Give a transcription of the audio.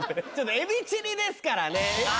エビチリですからね。